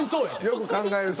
よく考えると。